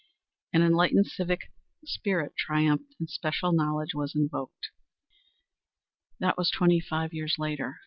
An enlightened civic spirit triumphed and special knowledge was invoked. That was twenty five years later.